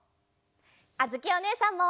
あづきおねえさんも！